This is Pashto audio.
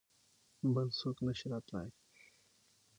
بل څوک نه شي راتلای.